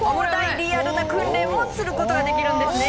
リアルな訓練もすることができるんですね。